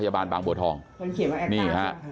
พี่สาวของเธอบอกว่ามันเกิดอะไรขึ้นกับพี่สาวของเธอ